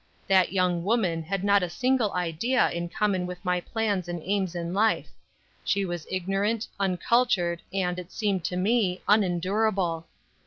That young woman had not a single idea in common with my plans and aims in life; she was ignorant, uncultured, and, it seemed to me, unendurable.